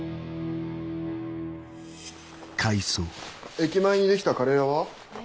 駅前にできたカレー屋は？え？